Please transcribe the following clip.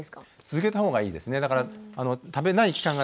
続けた方がいいですね。